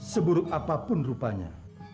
seburuk apapun rupanya